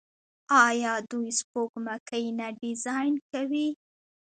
آیا دوی سپوږمکۍ نه ډیزاین کوي؟